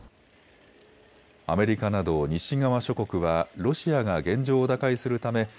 アメリカなど西側諸国はロシアが現状を打開するため